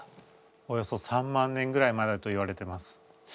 およそ３万年ぐらい前だといわれてます。